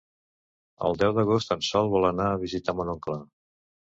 El deu d'agost en Sol vol anar a visitar mon oncle.